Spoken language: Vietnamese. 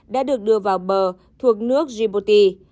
đã được đưa vào bờ thuộc nước djibouti